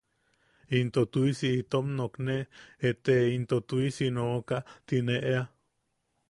Into tuʼisi itom nookne... “ete into tuʼisi nooka” ti ne eʼea.